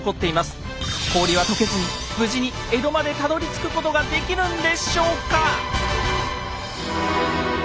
氷は解けずに無事に江戸までたどりつくことができるんでしょうか